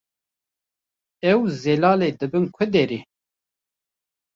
Ew, Zelalê dibin ku derê?